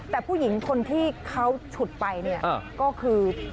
แต่ผู้หญิงคนที่เขาฉุดไปเนี่ยก็คือ